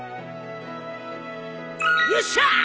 よっしゃ！